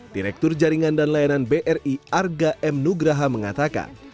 direktur jaringan dan layanan bri arga m nugraha mengatakan